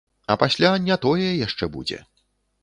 А пасля не тое яшчэ будзе.